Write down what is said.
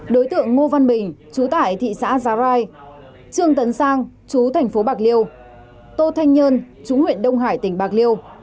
đối tượng ngô văn bình chú tải thị xã gia rai trương tấn sang chú thành phố bạc liêu tô thanh nhân chú huyện đông hải tỉnh bạc liêu